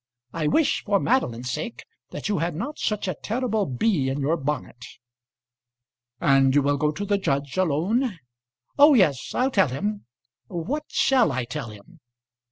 I wish, for Madeline's sake, that you had not such a terrible bee in your bonnet." "And you will go to the judge alone?" "Oh, yes. I'll tell him . What shall I tell him?"